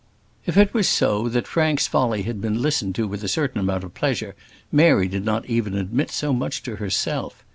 If it was so that Frank's folly had been listened to with a certain amount of pleasure, Mary did not even admit so much to herself.